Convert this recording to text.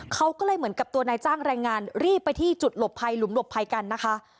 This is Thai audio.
เขาก็เลยเหมือนกับตัวนายจ้างแรงงานรีบไปที่จุดหลบภัยหลุมหลบภัยกันนะคะ